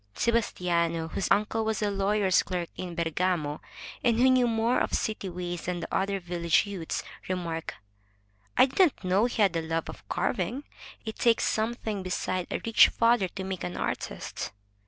Sebastiano, whose uncle was a lawyer's clerk in Bergamo, and who knew more of city ways than the other village youths, re marked: "I didn't know he had the love of carving. It takes something beside a rich father to make an artist."